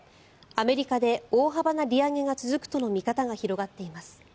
アメリカで大幅な利上げが続くとの見方が広がっています。